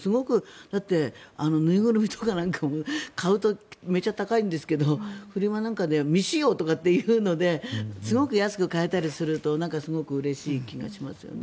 だって、縫いぐるみとかなんかも買うとめっちゃ高いんですけどフリマなんかでは未使用とかっていうのですごく安く買えたりするとすごくうれしい気がしますよね。